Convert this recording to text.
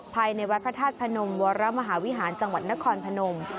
ภายในวัดพระธาตุพนมวรมหาวิหารจังหวัดนครพนม